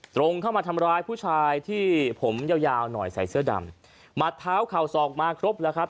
ตรงเข้ามาทำร้ายผู้ชายที่ผมยาวยาวหน่อยใส่เสื้อดำหมัดเท้าเข่าศอกมาครบแล้วครับ